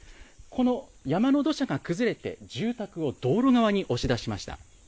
この山の土砂が崩れて住宅を道路側に押し出しました。